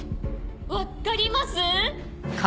分っかります？